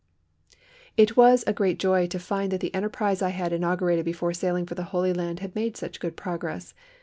It was a great joy to find that the enterprise I had inaugurated before sailing for the Holy Land had made such good progress.